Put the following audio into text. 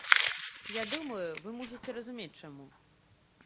Я думаю, вы мусіце разумець, чаму.